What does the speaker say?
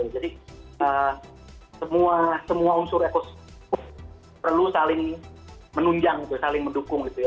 jadi semua unsur ekosistem perlu saling menunjang saling mendukung gitu ya